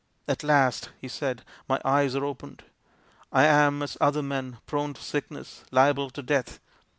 " At last," he said, " my eyes are opened. I am as other men, prone to sickness, liable to death.